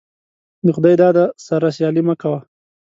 دخداى داده سره سيالي مه کوه.